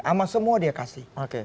ama semua dia kasih